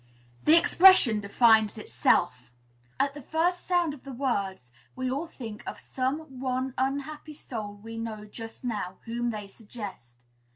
The expression defines itself. At the first sound of the words, we all think of some one unhappy soul we know just now, whom they suggest.